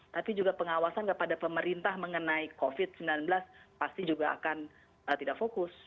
tapi juga pengawasan kepada pemerintah mengenai covid sembilan belas pasti juga akan tidak fokus